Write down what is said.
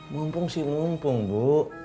mumpung sih mumpung bu